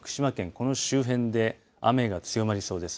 この周辺で雨が強まりそうです。